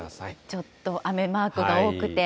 ちょっと雨マークが多くて。